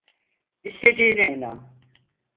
İstediğine inan.